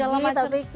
apa segala macam